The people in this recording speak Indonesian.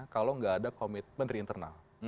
kalau nggak ada komitmen dari internal